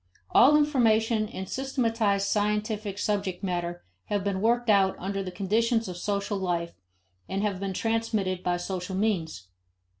All information and systematized scientific subject matter have been worked out under the conditions of social life and have been transmitted by social means.